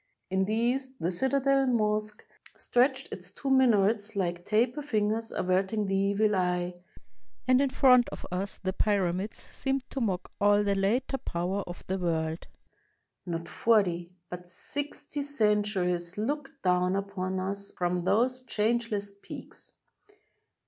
In the east, the citadel mosque stretched its two minarets like taper fingers averting the evil eye; and in front of us the Pyramids seemed to mock all the later power of the world. Not forty, but sixty, centuries look down upon us from those changeless peaks.